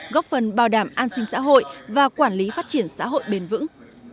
góp phần bảo đảm an sinh xã hội và quản lý phát triển xã hội bền vững